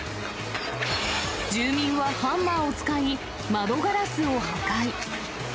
住民はハンマーを使い、窓ガラスを破壊。